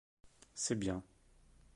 C'est bien.